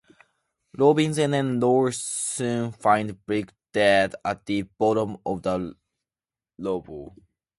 Robbins and Low soon find Brink dead at the bottom of the rubble.